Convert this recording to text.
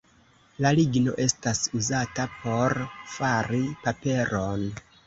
La ligno estas uzata por fari paperon.